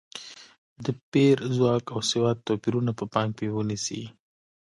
د پېر ځواک او سواد توپیرونه په پام کې ونیسي.